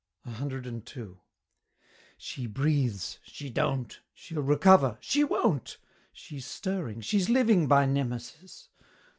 CII. "She breathes!" "She don't!" "She'll recover!" "She won't!" "She's stirring! she's living, by Nemesis!"